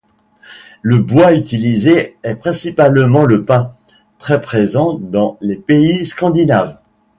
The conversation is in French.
Le bois utilisé est principalement le pin, très présent dans les pays scandinaves.